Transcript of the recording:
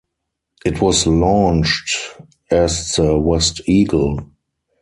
It was launched as the "West Eagle".